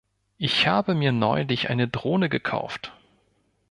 Ich habe mir neulich eine Drohne gekauft.